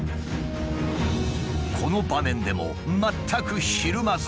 この場面でも全くひるまず。